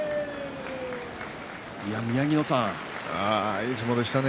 いい相撲でしたね。